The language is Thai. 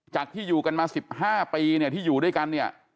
ที่อยู่กันมา๑๕ปีเนี่ยที่อยู่ด้วยกันเนี่ย